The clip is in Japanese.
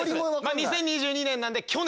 ２０２２年なんで去年。